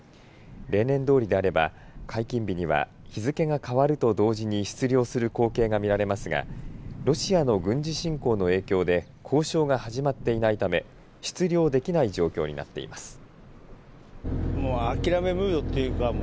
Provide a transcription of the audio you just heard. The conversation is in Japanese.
例年どおりであれば解禁日には日付が変わると同時に出漁する光景が見られますがロシアの軍事侵攻の影響で交渉が始まっていないため出漁できない状況になっています。